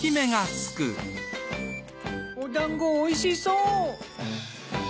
お団子おいしそう！